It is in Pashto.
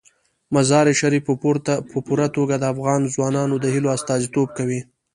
مزارشریف په پوره توګه د افغان ځوانانو د هیلو استازیتوب کوي.